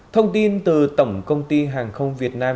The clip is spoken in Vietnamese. thông tin từ tổng công ty hàng không việt nam